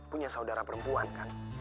punya saudara perempuan kan